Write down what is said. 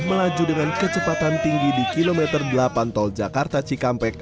melaju dengan kecepatan tinggi di kilometer delapan tol jakarta cikampek